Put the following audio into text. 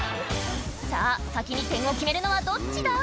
さぁ先に点を決めるのはどっちだ？